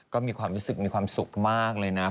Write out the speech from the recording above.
ก็มีความรู้สึกมีความสุขมากเลยนะ